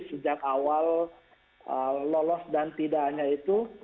sejak awal lolos dan tidaknya itu